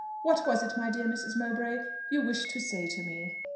What was it, my dear Mrs. Mowbray, you wished to say to me?"